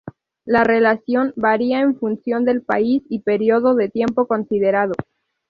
La relación varía en función del país y período de tiempo considerado.